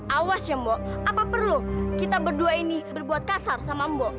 awas ya mbok apa perlu kita berdua ini berbuat kasar sama mbok